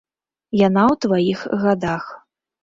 Яна ў тваіх гадах.